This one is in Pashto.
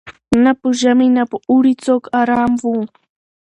نه په ژمي نه په اوړي څوک آرام وو